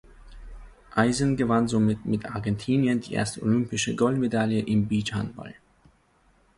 Aizen gewann somit mit Argentinien die erste olympische Goldmedaille im Beachhandball.